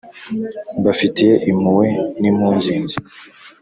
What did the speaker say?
Mbafitiye impuhwe n'impungenge